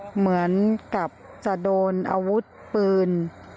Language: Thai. เหมือนกับจะโดนอาวุธปืน